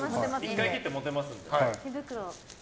１回切って持てますので。